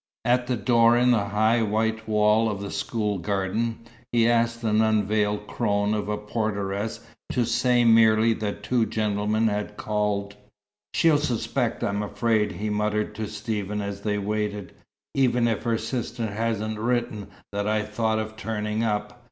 At the door in the high white wall of the school garden, he asked an unveiled crone of a porteress to say merely that two gentlemen had called. "She'll suspect, I'm afraid," he muttered to Stephen as they waited, "even if her sister hasn't written that I thought of turning up.